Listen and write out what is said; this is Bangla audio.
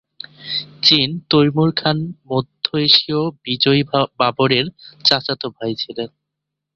চীন তৈমুর খান মধ্য এশীয় বিজয়ী বাবরের চাচাতো ভাই ছিলেন।